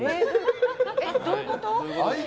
どういうこと？